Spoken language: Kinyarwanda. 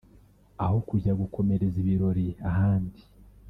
aho kujya gukomereza ibirori ahandi